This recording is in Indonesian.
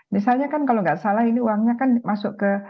misalnya kan kalau nggak salah ini uangnya kan masuk ke